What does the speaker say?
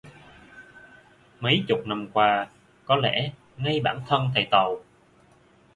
Mấy chục năm qua có lẽ ngay bản thân thầy tàu